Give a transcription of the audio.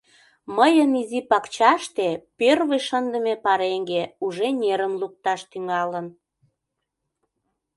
Мыйын изи пакчаште пӧрвый шындыме пареҥге уже нерым лукташ тӱҥалын.